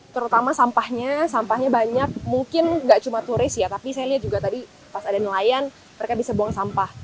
terutama sampahnya sampahnya banyak mungkin nggak cuma turis ya tapi saya lihat juga tadi pas ada nelayan mereka bisa buang sampah